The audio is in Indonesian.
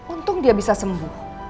untung dia bisa sembuh